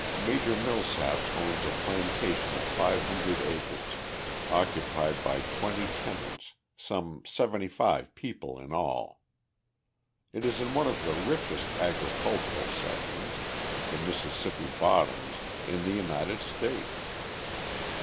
Major Millsaps owns a plantation of 500 acres, occupied by 20 tenants, some 75 people in all. It is in one of the richest agricultural sections the Mississippi bottoms in the United States.